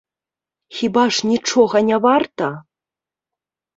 Хіба ж нічога не варта?